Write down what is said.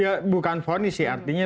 ya bukan fonis sih artinya